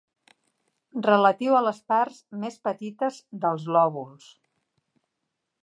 Relatiu a les parts més petites dels lòbuls.